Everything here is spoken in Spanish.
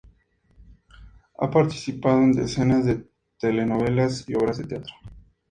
Ha participado en decenas de telenovelas y obras de teatro.